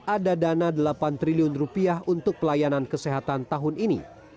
ada dana delapan triliun rupiah untuk pelayanan kesehatan tahun ini